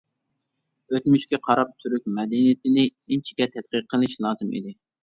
ئۆتمۈشكە قاراپ تۈرك مەدەنىيىتىنى ئىنچىكە تەتقىق قىلىش لازىم ئىدى.